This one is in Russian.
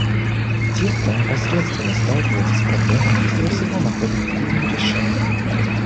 Те, кто непосредственно сталкивается с проблемами, быстрее всего находят им решения.